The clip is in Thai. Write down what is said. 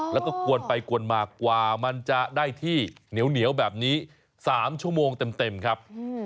แล้วก็กวนไปกวนมากว่ามันจะได้ที่เหนียวแบบนี้๓ชั่วโมงเต็มครับ